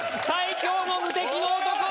最強の無敵の男！